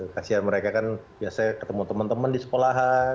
kasian mereka kan biasanya ketemu temen temen di sekolahan